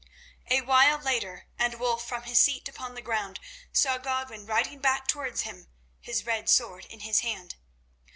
A while later and Wulf from his seat upon the ground saw Godwin riding back towards him, his red sword in his hand.